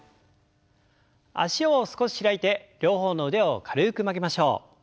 脚を少し開いて両方の腕を軽く曲げましょう。